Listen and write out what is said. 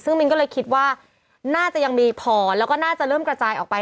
ซึ่งมินก็เลยคิดว่าน่าจะยังมีพอแล้วก็น่าจะเริ่มกระจายออกไป